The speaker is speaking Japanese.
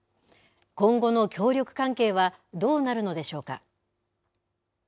今後の協力関係は、どうなるのでしょうか。